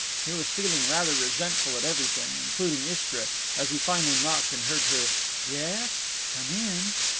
He was feeling rather resentful at everything, including Istra, as he finally knocked and heard her "Yes? Come in."